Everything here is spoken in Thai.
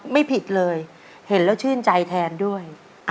ไม่ผิดเลย